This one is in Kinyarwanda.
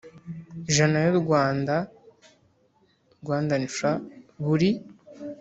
jana y u Rwanda Frw buri